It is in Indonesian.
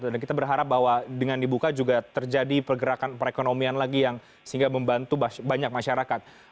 kita berharap bahwa dengan dibuka juga terjadi pergerakan perekonomian lagi yang sehingga membantu banyak masyarakat